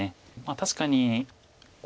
確かに。